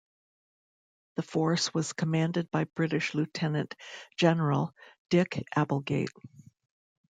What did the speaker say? The Force was commanded by British Lieutenant General Dick Applegate.